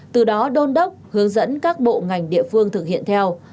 từ đó đôn đốc hướng dẫn các bộ ngành địa phương thực hiện theo